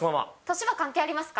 年は関係ありますか。